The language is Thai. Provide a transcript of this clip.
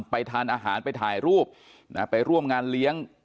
ทานอาหารไปถ่ายรูปไปร่วมงานเลี้ยง